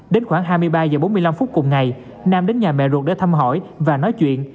đến khoảng hai mươi ba h bốn mươi năm phút cùng ngày nam đến nhà mẹ ruột để thăm hỏi và nói chuyện